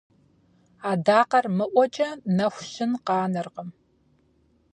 Адакъэр мыӀуэкӀэ нэху щын къанэркъым.